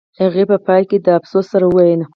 هغې په پای کې د افسوس سره وویل